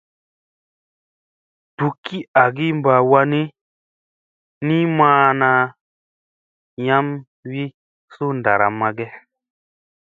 Dukki agi mɓa wanni, ni maana yam wi suu ɗaramma ge ?